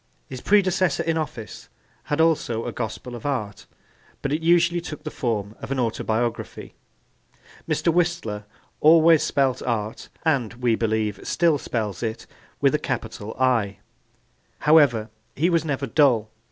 His predecessor in office had also a gospel of art but it usually took the form of an autobiography. Mr. Whistler always spelt art, and we believe still spells it, with a capital 'I.' However, he was never dull.